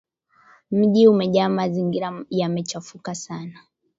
Mji umejaa mazingira yamechafuka sana